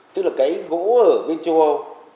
tức là cái gỗ ở bên châu âu